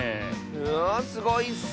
うわすごいッス！